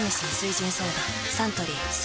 サントリー「翠」